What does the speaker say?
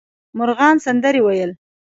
مرغان سندرې ویل.